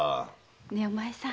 ねえおまえさん。